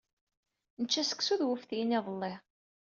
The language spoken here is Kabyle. Nečča seksu d wuftiyen iḍelli.